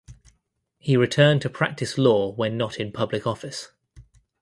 He returned to practice law when not in public office.